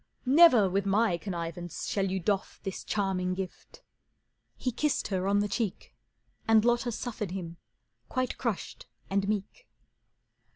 "Never with my connivance shall you doff This charming gift." He kissed her on the cheek, And Lotta suffered him, quite crushed and meek.